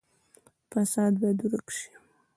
فساد باید ورک شي